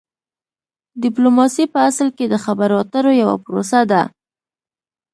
ډیپلوماسي په اصل کې د خبرو اترو یوه پروسه ده